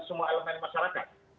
semua elemen masyarakat